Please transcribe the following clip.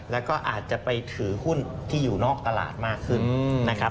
แล้วก็อาจจะไปถือหุ้นที่อยู่นอกตลาดมากขึ้นนะครับ